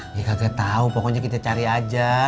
ya kagak tau pokoknya kita cari aja